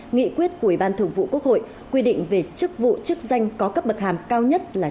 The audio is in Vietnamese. nghị quyết của ủy ban thường vụ quốc hội quy định về chức vụ chức danh có cấp bậc hàm cao nhất là